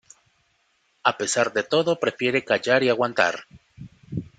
A pesar de todo prefiere callar y aguantar.